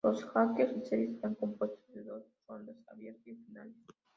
La Hockey Series está compuesta de dos rondas: abierto y finales.